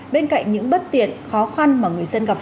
bên cạnh những bất tiện khó khăn